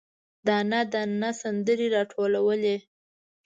دانه، دانه سندرې، راټولوي